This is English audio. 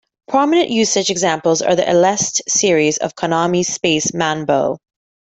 Prominent usage examples are the Aleste series and Konami's Space Manbow.